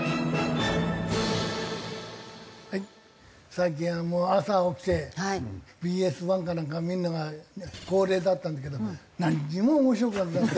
最近はもう朝起きてＢＳ１かなんか見るのが恒例だったんだけどなんにも面白くなくなった。